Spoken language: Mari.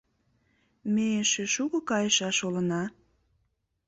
Ме эше шуко кайышаш улына?